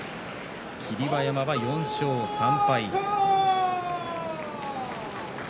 霧馬山は４勝３敗。